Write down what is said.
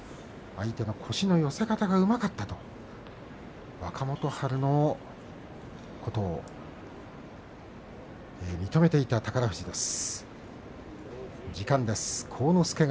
相手の腰の寄せ方がうまかったと若元春のことを認めていた宝富士です。